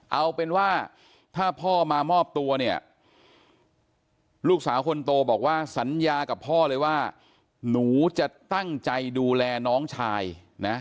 เอาเป็นว่าถ้าพ่อมามอบตัวเนี่ยลูกสาวคนโตบอกว่าสัญญากับพ่อเลยว่าหนูจะตั้งใจดูแลน้องชายนะ